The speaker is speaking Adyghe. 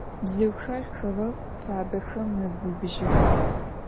Bzıuxer xeğegu fabexem mebıbıjıx.